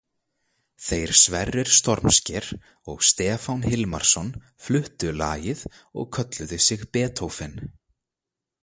Þeir Sverrir Stormsker og Stefán Hilmarsson fluttu lagið og kölluðu sig Betófen.